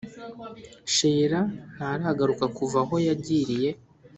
sheila ntaragaruka kuva aho yagiriye.